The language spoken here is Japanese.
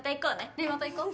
ねえまた行こう。